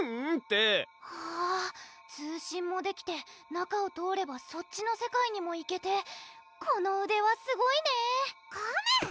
「うん」ってはぁ通信もできて中を通ればそっちの世界にも行けてこの腕輪すごいねコメ！